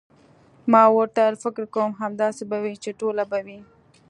ما ورته وویل: فکر کوم، همداسې به وي، چې ټوله به وي.